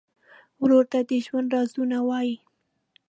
ورور ته د ژوند رازونه وایې.